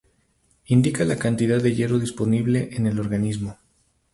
Indica la cantidad de hierro disponible en el organismo.